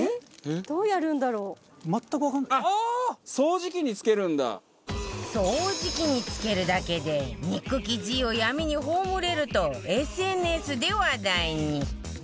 掃除機につけるだけで憎き Ｇ を闇に葬れると ＳＮＳ で話題に